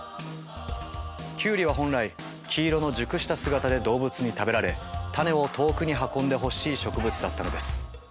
キュウリは本来黄色の熟した姿で動物に食べられ種を遠くに運んでほしい植物だったのです。